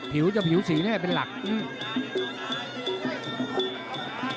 ผิวจะผิวสีแน่เป็นหลักอืม